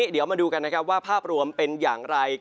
เดี๋ยวมาดูกันนะครับว่าภาพรวมเป็นอย่างไร